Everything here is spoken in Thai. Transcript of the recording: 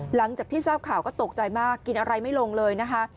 หลังจากที่ทราบข่าวก็ตกใจมากกินอะไรไม่ลงเลยนะคะ